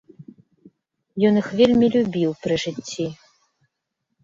Ён іх вельмі любіў пры жыцці.